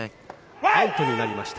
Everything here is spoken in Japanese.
アウトになりました。